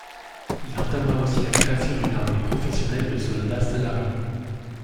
Il entama aussi la création d'une armée professionnelle de soldats salariés.